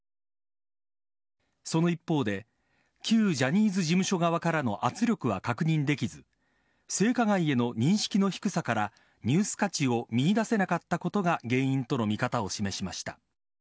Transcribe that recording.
その一方で旧ジャニーズ事務所側からの圧力は確認できず性加害への認識の低さからニュース価値を見いだせなかったことが原因との見方を示しました。